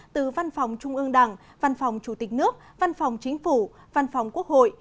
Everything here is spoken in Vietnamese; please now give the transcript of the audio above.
từ văn phòng trung ương đảng văn phòng chủ tịch nước văn phòng chính phủ văn phòng quốc hội